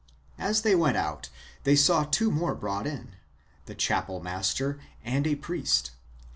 As they went out they saw two more brought in — the chapel master and a priest.